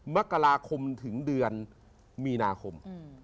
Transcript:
มกราคมถึงเดือนมีนาคม